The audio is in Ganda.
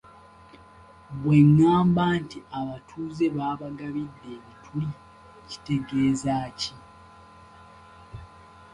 Bweŋŋamba nti abatuuze baabagabidde ebituli kitegeza ki?